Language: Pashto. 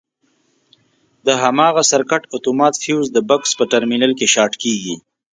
د هماغه سرکټ اتومات فیوز د بکس په ترمینل کې شارټ کېږي.